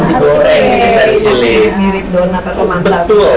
iya roti goreng mirip donat atau teman tau